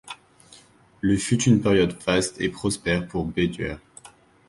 Le fut une période faste et prospère pour Béduer.